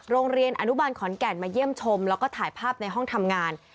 โรงเรียนอนุบาลขอนแก่นมาเยี่ยมชมแล้วก็ถ่ายภาพในห้องทำงาน